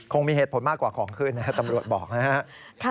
คงมีเหตุผลมากกว่าของขึ้นนะครับตำรวจบอกนะครับ